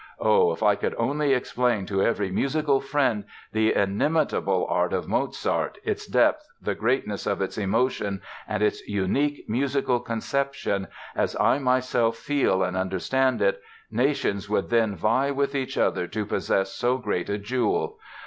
Oh, if I could only explain to every musical friend ... the inimitable art of Mozart, its depth, the greatness of its emotion, and its unique musical conception, as I myself feel and understand it, nations would then vie with each other to possess so great a jewel....